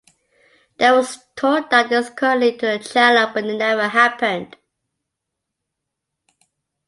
There was talk that this could lead to a channel but it never happened.